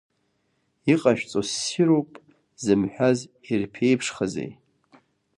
Иҟашәҵо ссируп зымҳәаз ирԥеиԥшхазеи?